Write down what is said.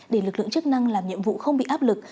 để lực lượng chức năng làm nhiệm vụ không bị áp lực